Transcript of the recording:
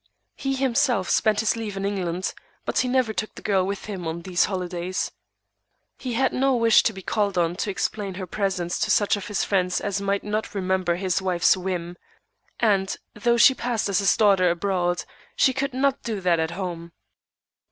He himself spent his leave in England, but he never took the girl with him on those holidays. He had no wish to be called on to explain her presence to such of his friends as might not remember his wife's whim; and, though she passed as his daughter abroad, she could not do that at home.